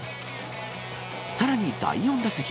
さらに、第４打席。